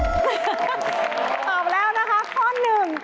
ตอบแล้วนะคะข้อหนึ่ง